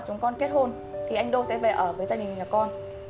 tích cóp từng đồng để mẹ giảm được cho con